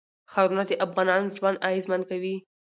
ښارونه د افغانانو ژوند اغېزمن کوي.